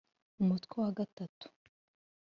umutwe wa gatatu